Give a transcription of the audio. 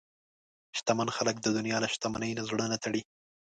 شتمن خلک د دنیا له شتمنۍ نه زړه نه تړي.